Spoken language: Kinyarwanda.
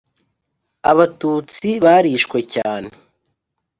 Abatutsi barishwe cyane.